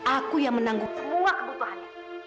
aku yang menanggung semua kebutuhannya